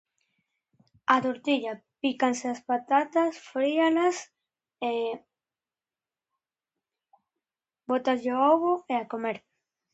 A tortilla. Pícanse as patatas, fríanas e bótaslle o ovo e a comer.